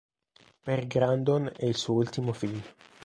Per Grandon è il suo ultimo film.